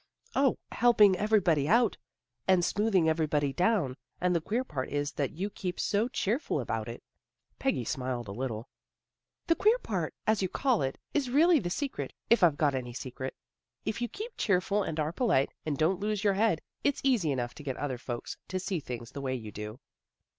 " 0, helping everybody out, and smoothing everybody down, and the queer part is that you keep so cheerful about it." Peggy smiled a little. " The queer part, as you call it, is really the secret, if I've got any secret. If you keep cheerful and are polite, and don't lose your head, it's easy enough to get other folks to see things the way you do."